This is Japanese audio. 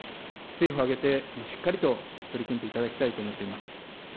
政府を挙げてしっかりと取り組んでいただきたいと思っております。